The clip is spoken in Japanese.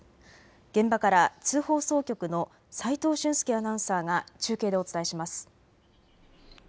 現場から津放送局の齋藤舜介アナウンサーが中継でお伝えします。